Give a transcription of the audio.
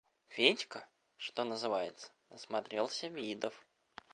Федька, что называется, насмотрелся видов.